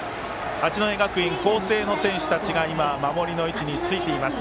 八戸学院光星の選手たちが守りの位置についています。